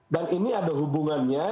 dan ini ada hubungannya